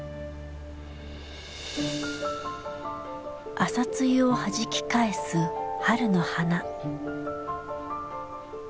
朝露をはじき返す春の花。